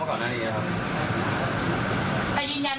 ลูกสาวหลายครั้งแล้วว่าไม่ได้คุยกับแจ๊บเลยลองฟังนะคะ